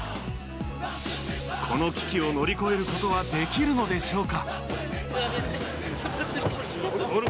この危機を乗り越えることはできるのでしょうか。